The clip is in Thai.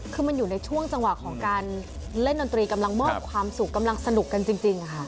คือมันอยู่ในช่วงจังหวะของการเล่นดนตรีกำลังมอบความสุขกำลังสนุกกันจริงค่ะ